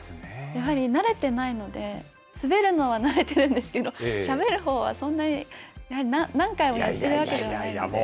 やはり慣れてないので、滑るのは慣れてるんですけど、しゃべるほうはやはり、そんなに何回もやってるわけではないので。